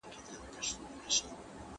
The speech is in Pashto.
هغه خپل مسؤليت په سمه توګه ترسره کوي.